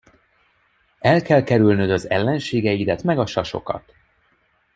El kell kerülnöd az ellenségeidet, meg a sasokat.